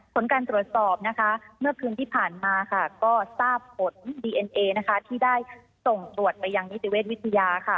ผลการตรวจสอบนะคะเมื่อคืนที่ผ่านมาก็ทราบผลดีเอ็นเอที่ได้ส่งตรวจไปยังนิติเวชวิทยา